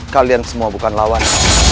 kalian semua bukan lawan